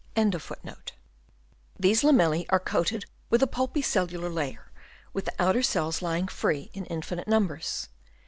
f These lamellse are coated with a pulpy cellular layer, with the. outer cells lying free in in finite numbers.